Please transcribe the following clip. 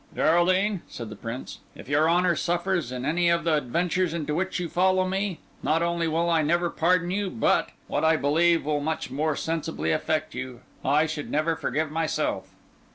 "Geraldine," said the Prince, "if your honour suffers in any of the adventures into which you follow me, not only will I never pardon you, but—what I believe will much more sensibly affect you—I should never forgive myself."